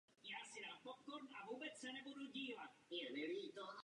Byl členem Ústřední matice školské.